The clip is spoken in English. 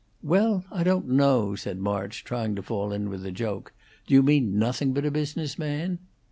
"Well, I don't know," said March, trying to fall in with the joke. "Do you mean nothing but a business man?"